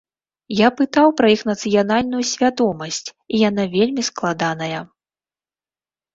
Я пытаў пра іх нацыянальную свядомасць, і яна вельмі складаная.